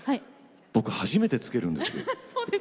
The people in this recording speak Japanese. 僕、初めて着けるんですよ。